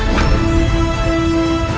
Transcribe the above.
jalan jalan men